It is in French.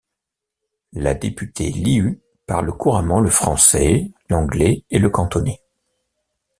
La députée Liu parle couramment le français, l'anglais et le cantonais.